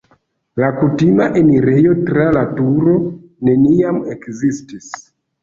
La kutima enirejo tra la turo neniam ekzistis.